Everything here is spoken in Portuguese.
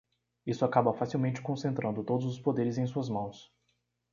Isso acaba facilmente concentrando todos os poderes em suas mãos.